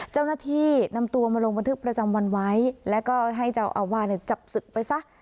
เจ้าหน้าที่นำตัวมาลงบันทึกประจำวันไว้แล้วก็ให้เจ้าอาวาสจับศึกไปซะ